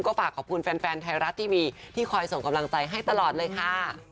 ฝากขอบคุณแฟนไทยรัฐทีวีที่คอยส่งกำลังใจให้ตลอดเลยค่ะ